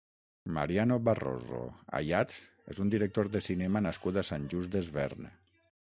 Mariano Barroso Ayats és un director de cinema nascut a Sant Just Desvern.